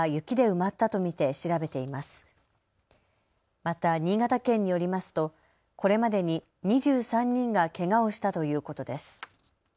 また新潟県によりますとこれまでに２３人がけがをしたということです。